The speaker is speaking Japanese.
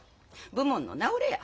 武門の名折れや。